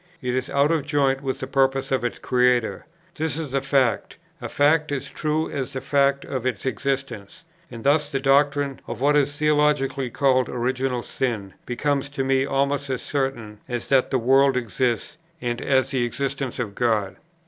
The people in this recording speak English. It is out of joint with the purposes of its Creator. This is a fact, a fact as true as the fact of its existence; and thus the doctrine of what is theologically called original sin becomes to me almost as certain as that the world exists, and as the existence of God.